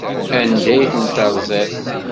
Anda ay ten-terẓiḍ?